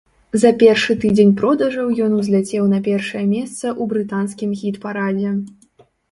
За першы тыдзень продажаў ён узляцеў на першае месца ў брытанскім хіт-парадзе.